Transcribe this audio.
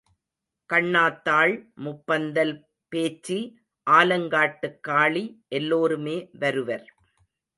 கண்ணாத்தாள், முப்பந்தல் பேச்சி, ஆலங்காட்டுக் காளி எல்லோருமே வருவர்.